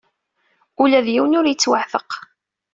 Ula d yiwen ur yettwaɛteq.